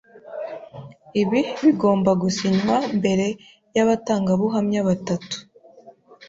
Ibi bigomba gusinywa imbere yabatangabuhamya batatu.